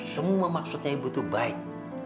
semua maksudnya ibu itu baik